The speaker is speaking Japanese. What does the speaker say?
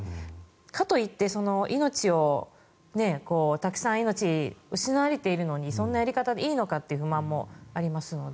かといって、命をたくさん命が失われているのにそんなやり方でいいのかという不満もありますので。